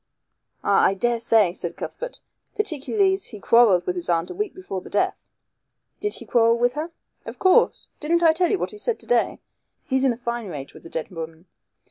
"Ah, I daresay," said Cuthbert, "particularly as he quarrelled with his aunt a week before the death." "Did he quarrel with her?" "Of course. Didn't I tell you what he said to day. He's in a fine rage with the dead woman.